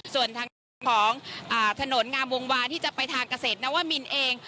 ส่วนทางด้านของถนนงามวงวานที่จะไปทางเกษตรนวมินเอง